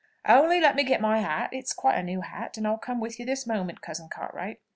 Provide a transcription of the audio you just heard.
"Only let me get my hat, it's quite a new hat, and I'll come with you this moment, cousin Cartwright."